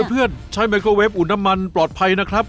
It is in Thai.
เพื่อนใช้ไมโครเวฟอุดน้ำมันปลอดภัยนะครับ